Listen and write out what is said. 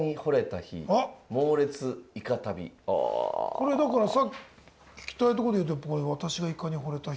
これだからさっき聞きたいとこで言うと「私がイカにほれた日」。